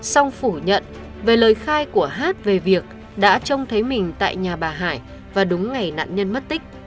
song phủ nhận về lời khai của hát về việc đã trông thấy mình tại nhà bà hải và đúng ngày nạn nhân mất tích